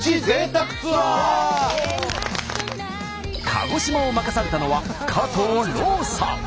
鹿児島を任されたのは加藤ローサ。